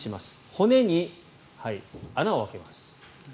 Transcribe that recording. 骨に穴を開けます。